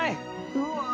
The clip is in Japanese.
うわ。